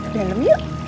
di dalam yuk